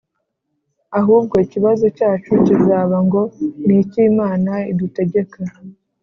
Ahubwo ikibazo cyacu kizaba ngo, ni iki Imana idutegeka